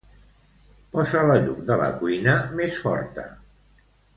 Posa la llum de la cuina més forta.